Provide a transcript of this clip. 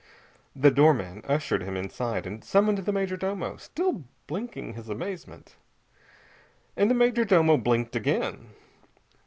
The doorman ushered him inside and summoned the major domo, still blinking his amazement. And the major domo blinked again.